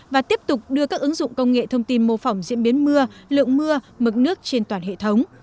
và tiếp tục đưa các ứng dụng công nghệ thông tin mô phỏng diễn biến mưa lượng mưa mực nước trên toàn hệ thống